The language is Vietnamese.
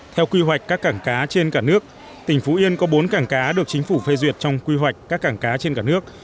theo quy hoạch các cảng cá trên cả nước tỉnh phú yên có bốn cảng cá được chính phủ phê duyệt trong quy hoạch các cảng cá trên cả nước